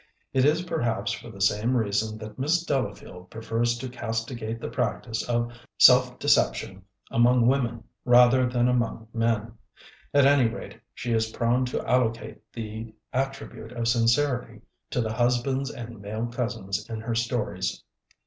It is per haps for the same reason that Miss Delafield pre fers to castigate the practice of self deception among women rather than among men. At any rate, she is prone to allocate the attribute of sincerity to the husbands and male cousins in her stories.